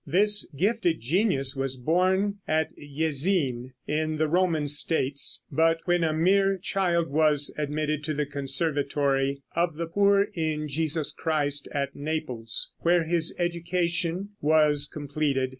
This gifted genius was born at Jesin, in the Roman states, but when a mere child, was admitted to the conservatory "Of the Poor in Jesus Christ" at Naples, where his education was completed.